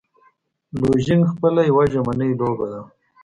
لوژینګ خپله یوه ژمنی لوبه ده.